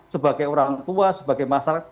sebagai orang tua sebagai masyarakat